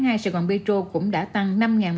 sài gòn petro cũng đã tăng